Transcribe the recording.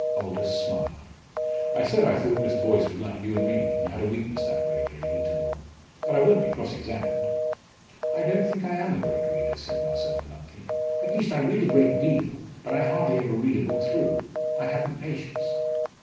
Aldous smiled. "I said I thought Miss Boyce was like you and me, and had a weakness that way, Lady Winterbourne. But I won't be cross examined!" "I don't think I am a great reader," said Marcella, bluntly "at least I read a great deal, but I hardly ever read a book through. I haven't patience."